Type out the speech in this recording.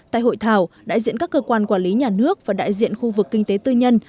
tại hội thảo đại diện các cơ quan quản lý nhà nước và đại diện khu vực kinh tế tư nhân